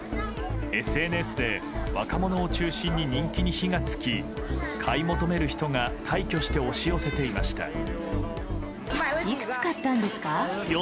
ＳＮＳで若者を中心に人気に火が付き買い求める人が大挙して押し寄せていました。